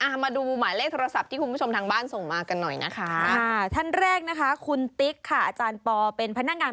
อะมาดูหมายเลขโทรศัพท์ที่คุณผู้ชมทางบ้านส่งมากันหน่อยนะ